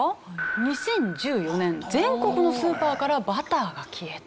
２０１４年全国のスーパーからバターが消えた。